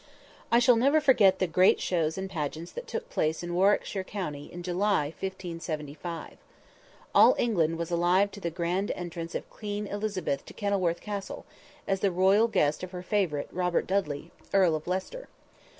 "_ I shall never forget the great shows and pageants that took place in Warwickshire County, in July, 1575. All England was alive to the grand entrance of Queen Elizabeth to Kenilworth Castle, as the royal guest of her favorite, Robert Dudley, Earl of Leicester.